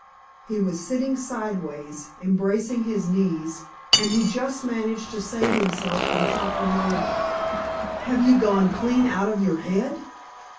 He was sitting sideways, embracing his knees, and he just managed to save himself from toppling over. "Have you gone clean out of your head?"